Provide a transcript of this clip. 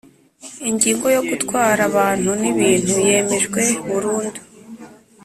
Ingingo yo gutwara abantu n ibintu yemejwe burundu